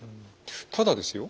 ただですよ